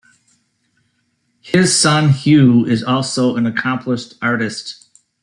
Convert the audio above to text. His son, Hugh, is also an accomplished artist.